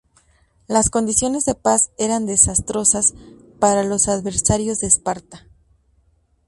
Las condiciones de paz eran desastrosas para los adversarios de Esparta.